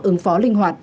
ứng phó linh hoạt